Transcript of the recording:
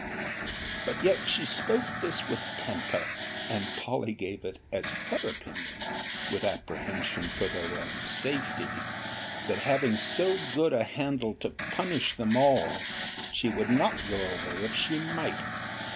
'But yet she spoke this with temper; and Polly gave it as her opinion, (with apprehension for their own safety,) that having so good a handle to punish them all, she would not go away if she might.